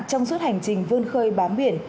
trong suốt hành trình vươn khơi bám biển